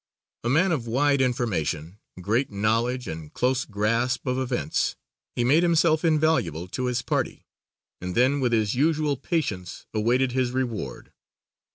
A man of wide information, great knowledge and close grasp of events he made himself invaluable to his party and then with his usual patience awaited his reward.